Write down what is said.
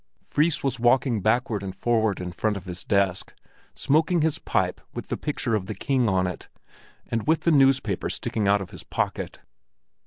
Fris was walking backward and forward in front of his desk, smoking his pipe with the picture of the king on it, and with the newspaper sticking out of his pocket.